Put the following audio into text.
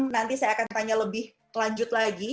nanti saya akan tanya lebih lanjut lagi